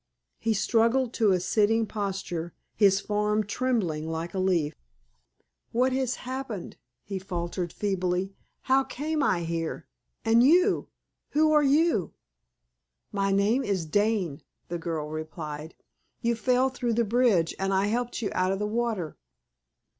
He struggled to a sitting posture, his form trembling like a leaf. "What has happened?" he faltered, feebly. "How came I here? And you who are you?" "My name is Dane," the girl replied. "You fell through the bridge, and I helped you out of the water."